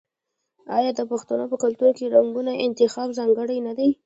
آیا د پښتنو په کلتور کې د رنګونو انتخاب ځانګړی نه دی؟